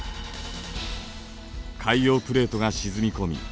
海洋プレートが沈み込み